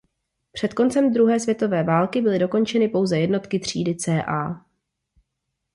Před koncem druhé světové války byly dokončeny pouze jednotky třídy "Ca".